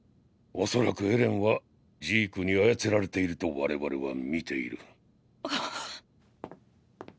恐らくエレンはジークに操られていると我々は見ている。！！